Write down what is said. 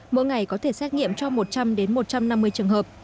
mỗi ngày có thể xét nghiệm cho một trăm linh một trăm năm mươi trường hợp